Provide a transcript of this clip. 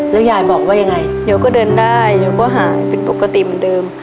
แล้วยายบอกว่ายังไงเดี๋ยวก็เดินได้เดี๋ยวก็หายเป็นปกติเหมือนเดิม